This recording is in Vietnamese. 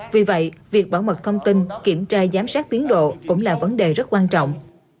vì vậy việc bảo mật thông tin kiểm tra giám sát tiến độ cũng là vấn đề rất quan trọng